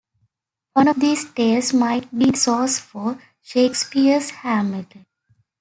One of these tales might be the source for Shakespeare's Hamlet.